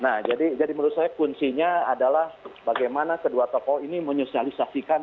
nah jadi menurut saya kuncinya adalah bagaimana kedua tokoh ini menyosialisasikan